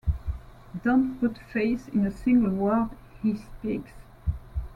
Don’t put faith in a single word he speaks.